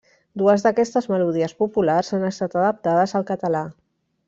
Dues d'aquestes melodies populars han estat adaptades al català.